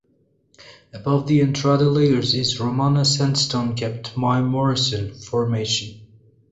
Above the Entrada layers is Romana Sandstone capped by Morrison Formation.